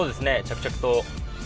着々と。